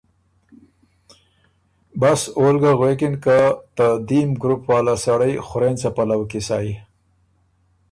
بس او ل ګۀ غوېکِن که ته دیم ګروپ واله سړئ خورېنڅه پلؤ کی سئ